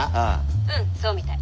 うんそうみたい。